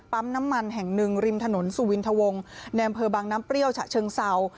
น้ำมันแห่งหนึ่งริมถนนสุวินทวงในอำเภอบางน้ำเปรี้ยวฉะเชิงเศร้า